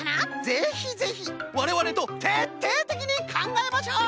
ぜひぜひわれわれとてっていてきにかんがえましょう！